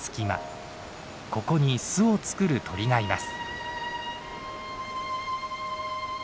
ここに巣を作る鳥がいます。